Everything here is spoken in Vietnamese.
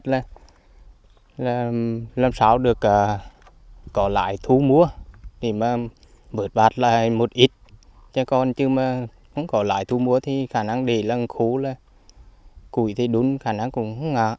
làm sao được có lãi thu mua để mà bớt bạt lại một ít cho con chứ mà không có lãi thu mua thì khả năng để là khu là cùi thì đúng khả năng cũng không ngạ